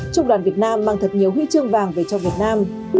trung đoàn việt nam mang thật nhiều huy chương vàng về cho việt nam